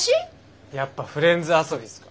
やっぱフレンズ遊びっすか？